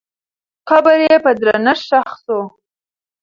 قبر یې په درنښت ښخ سو.